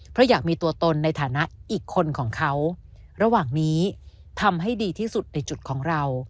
เพราะอยากมีตัวตนในฐานะอีกคนของเขาระหว่างนี้ทำให้ดีที่สุดในจุดของเรา